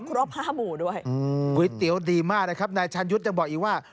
ครบ๕หมู่ด้วยก๋วยเตี๋ยวดีมากนะครับนายชาญยุทธ์ยังบอกอีกว่า